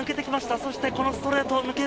そしてこのストレートを抜ける。